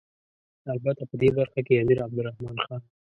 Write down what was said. البته په دې برخه کې امیر عبدالرحمن خان.